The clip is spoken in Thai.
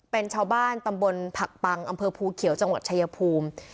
เป็นชาวบ้านตำบลผักปังอำเภอภูเขียวจังหวัดชายภูมิ